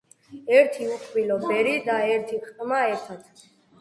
ერთი უკბილო ბერი და ერთი ყრმა ერთად